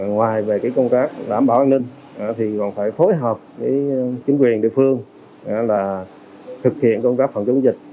ngoài về công tác đảm bảo an ninh thì còn phải phối hợp với chính quyền địa phương là thực hiện công tác phòng chống dịch